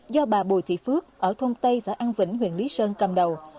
do bà bùi thị phước ở thôn tây xã an vĩnh huyện lý sơn cầm đầu